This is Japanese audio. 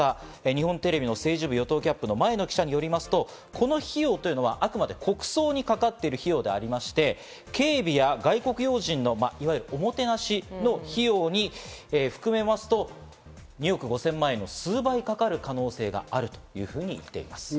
日本テレビの政治部与党キャップの前野記者によりますと、この費用というのは、あくまで国葬にかかっている費用でありまして、警備や外国要人のいわゆるおもてなしの費用を含めますと２億５０００万円の数倍かかる可能性があるというふうに言っています。